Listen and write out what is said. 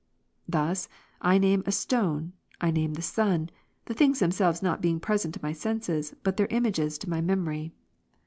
Thus, I name a stone, I name the sun, the things themselves not being present to my senses, but their images to my memory.